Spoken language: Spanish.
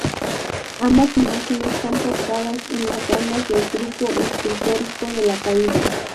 Ambas imágenes son portadas en las andas del grupo escultórico de la Caída.